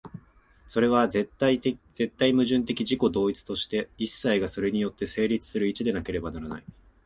それは絶対矛盾的自己同一として、一切がそれによって成立する一でなければならない。